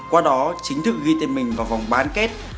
qua đó chính thức ghi tên mình vào vòng bán kết